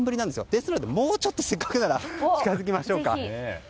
ですので、もうちょっとせっかくだから近づきましょうか。